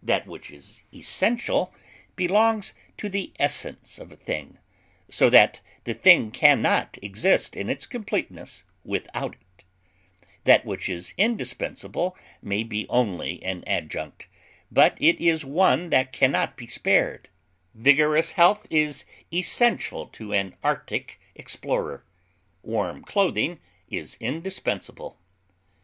That which is essential belongs to the essence of a thing, so that the thing can not exist in its completeness without it; that which is indispensable may be only an adjunct, but it is one that can not be spared; vigorous health is essential to an arctic explorer; warm clothing is indispensable.